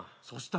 そう。